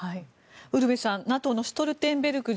ウルヴェさん、ＮＡＴＯのストルテンベルグ